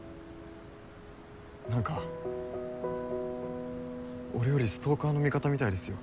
なんか俺よりストーカーの味方みたいですよ。